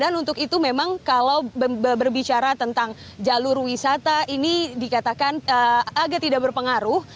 dan untuk itu memang kalau berbicara tentang jalur wisata ini dikatakan agak tidak berpengaruh